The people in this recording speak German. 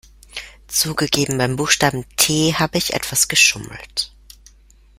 Zugegeben, beim Buchstaben T habe ich etwas geschummelt.